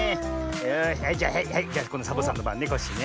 よしはいじゃあはいはいこんどサボさんのばんねコッシーね。